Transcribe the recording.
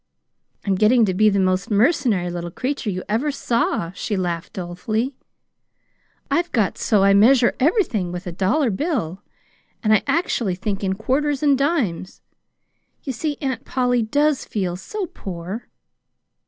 "I'm getting to be the most mercenary little creature you ever saw," she laughed dolefully. "I've got so I measure everything with a dollar bill, and I actually think in quarters and dimes. You see, Aunt Polly does feel so poor!"